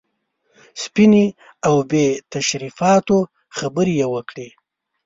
سپینې او بې تشریفاتو خبرې یې وکړې.